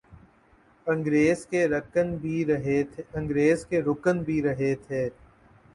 ingress کے رکن بھی رہے تھے